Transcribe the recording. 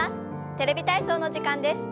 「テレビ体操」の時間です。